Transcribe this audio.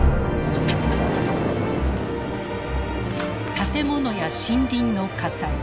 建物や森林の火災。